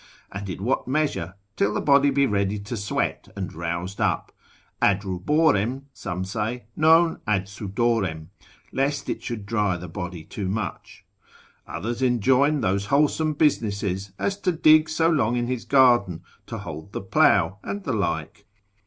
and in what measure, till the body be ready to sweat, and roused up; ad ruborem, some say, non ad sudorem, lest it should dry the body too much; others enjoin those wholesome businesses, as to dig so long in his garden, to hold the plough, and the like.